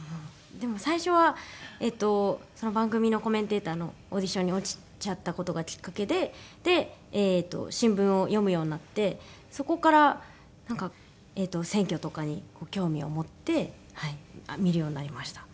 でも最初はえっと番組のコメンテーターのオーディションに落ちちゃった事がきっかけで新聞を読むようになってそこからなんかえっと選挙とかに興味を持って見るようになりました。